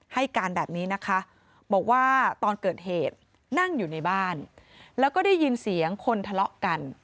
ให้การแบบนี้นะคะบอกว่าตอนเกิดเหตุนั่งอยู่ในบ้านแล้วก็ได้ยินเสียงคนทะเลาะกัน